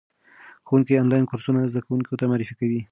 ښوونکي آنلاین کورسونه زده کوونکو ته معرفي کوي.